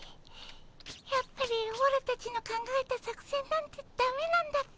やっぱりオラたちの考えた作戦なんてだめなんだっ